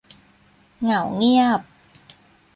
เหงาเงียบ